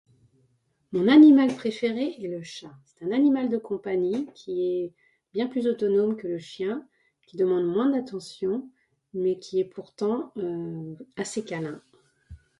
Mon animal préféré est le chat. C'est un animal de compagnie qui est bien plus autonome que le chien, qui demande moins d'attention, mais qui est pourtant assez câlin.